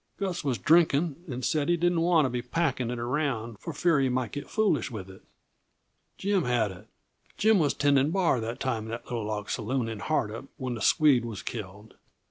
Gus was drinking, and said he didn't want to be packing it around for fear he might get foolish with it. Jim had it Jim was tending bar that time in that little log saloon, in Hardup when the Swede was killed.